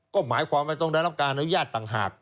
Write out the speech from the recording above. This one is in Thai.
ก็หมายความไปตรงดันตรับการอนุญาตต่างหาก